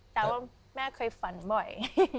แต่ว่าแม่เคยฝันบ่อย